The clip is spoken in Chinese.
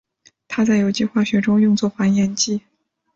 它在有机化学中用作还原剂。